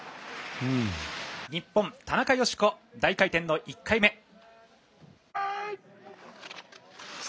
日本田中佳子、大回転の１回目。